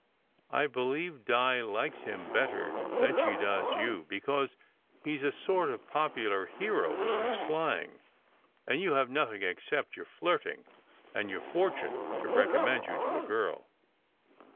I believe Di likes him better than she does you, because he s a sort of popular hero with his flying, and you have nothing except your flirting and your fortune to recommend you to a girl."